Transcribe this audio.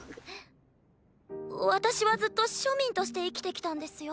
私はずっと庶民として生きてきたんですよ。